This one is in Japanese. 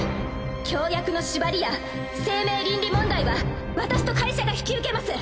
協約の縛りや生命倫理問題は私と会社が引き受けます。